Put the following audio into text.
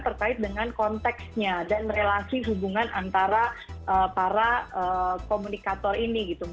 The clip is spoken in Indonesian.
terkait dengan konteksnya dan relasi hubungan antara para komunikator ini gitu